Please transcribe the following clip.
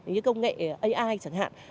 như công nghệ ai chẳng hạn